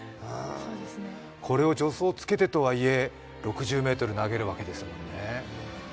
これを助走をつけてとはいえ６０ｍ投げるんですよね。